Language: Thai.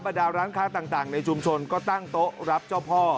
ดาร้านค้าต่างในชุมชนก็ตั้งโต๊ะรับเจ้าพ่อ